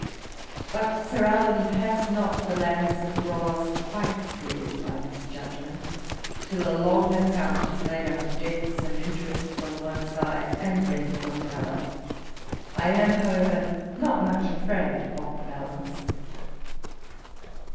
But Sir Allan has not the lands of Brolos quite cleared by this judgement, till a long account is made up of debts and interests on the one side, and rents on the other. I am, however, not much afraid of the balance.